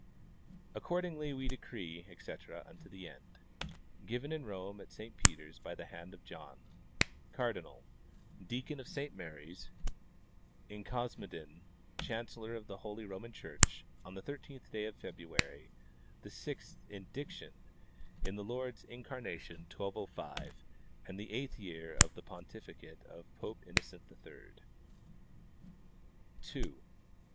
Accordingly we decree, etc, unto the end. Given in Rome, at Saint Peter's, by the hand of John, cardinal, deacon of Saint Mary's, in Cosmedin, chancellor of the holy Roman church, on the 13th day of February, the sixth indic tion, in the year of the Lord's incarnation 1205, and the 8th year of the pontificate of Pope Innocent III.